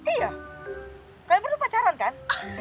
iya kami berdua pacaran kan